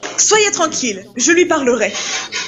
Soyez tranquille ! je lui parlerai !